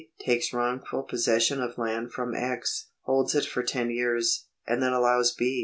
takes wrongful possession of land from X., holds it for ton years, and then allows B.